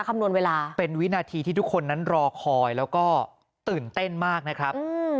คำนวณเวลาเป็นวินาทีที่ทุกคนนั้นรอคอยแล้วก็ตื่นเต้นมากนะครับ